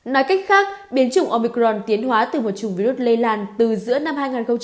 nói cách khác biến chủng omicron tiến hóa từ một chủng virus lây lan từ giữa năm hai nghìn một mươi chín